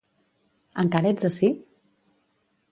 Encara ets ací?